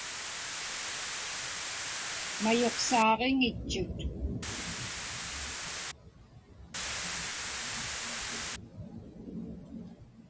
Mayuqsaaġiŋitchut.